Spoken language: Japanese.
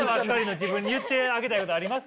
自分に言ってあげたいことあります？